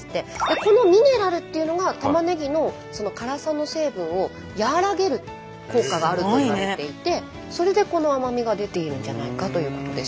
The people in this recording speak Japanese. このミネラルっていうのがたまねぎの辛さの成分を和らげる効果があるといわれていてそれでこの甘みが出ているんじゃないかということです。